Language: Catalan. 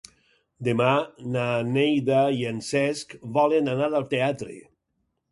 Demà na Neida i en Cesc volen anar al teatre.